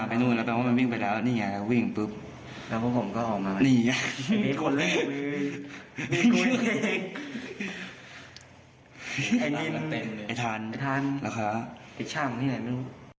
พิชาของที่ไหนไม่รู้